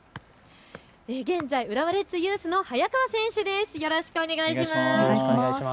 現在、浦和レッズユースの早川選手です。